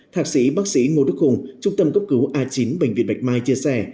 thạc sĩ bác sĩ ngô đức hùng trung tâm cấp cứu a chín bệnh viện bạch mai chia sẻ